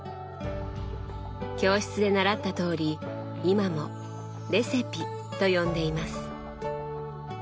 教室で習ったとおり今も「レセピ」と呼んでいます。